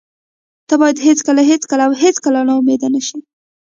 ته باید هېڅکله، هېڅکله او هېڅکله نا امید نشې.